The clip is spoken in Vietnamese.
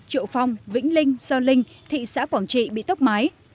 triệu phong vĩnh linh do linh thị xã quảng trị bị tốc mái